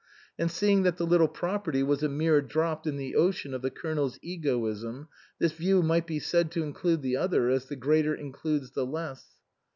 And seeing that the little property was a mere drop in the ocean of the Colonel's egoism, this view might be said to include the other as the greater includes the less.